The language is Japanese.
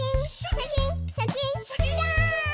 シャキンシャキンシャー！